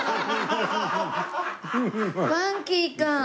ファンキーか！